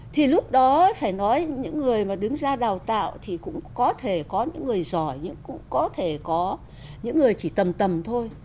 thì lúc đó phải nói những người mà đứng ra đào tạo thì cũng có thể có những người giỏi nhưng cũng có thể có những người chỉ tầm tầm thôi